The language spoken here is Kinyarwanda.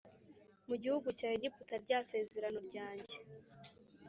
Mu gihugu cya egiputa rya sezerano ryanjye